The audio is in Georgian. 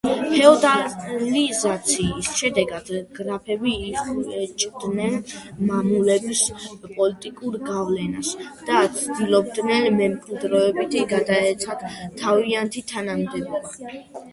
ფეოდალიზაციის შედეგად გრაფები იხვეჭდნენ მამულებს, პოლიტიკურ გავლენას და ცდილობდნენ მემკვიდრეობით გადაეცათ თავიანთი თანამდებობა.